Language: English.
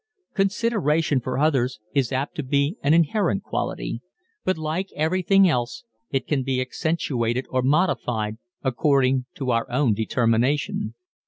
Consideration for others is apt to be an inherent quality, but like everything else it can be accentuated or modified according to our own determination.